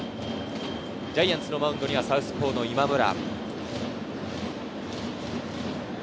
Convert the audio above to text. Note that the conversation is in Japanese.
ジャイアンツのマウンドにはサウスポーの今村。